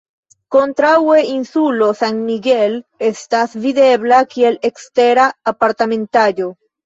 Kontraŭe insulo San Miguel estas videbla (kiel ekstera aparternaĵo).